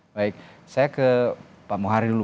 baik saya ke pak mohari dulu